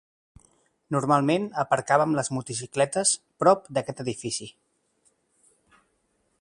Normalment aparcàvem les motocicletes prop d'aquest edifici.